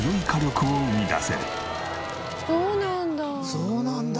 そうなんだ。